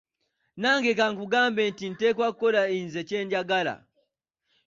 Nange ka nkikugambe nti nteekwa kukola nze kye njagala.